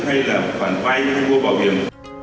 hay là khoản quay hay mua bảo hiểm